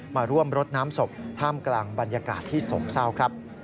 มาร่วมรดน้ำศพท่ามกลางบรรยากาศที่โศกเศร้าครับ